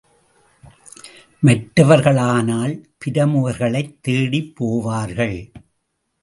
மற்றவர்களானால் பிரமுகர்களைத் தேடிப் போவார்கள்.